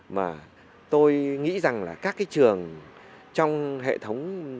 mà tôi nghĩ rằng là các cái trường trong hệ thống